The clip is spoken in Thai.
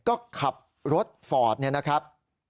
ก็ขับรถฟอร์ดเนี่ยนะครับ